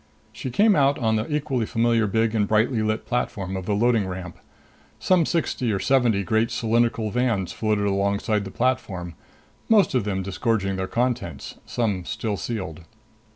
She came out on the equally familiar big and brightly lit platform of the loading ramp. Some sixty or seventy great cylindrical vans floated alongside the platform, most of them disgorging their contents, some still sealed.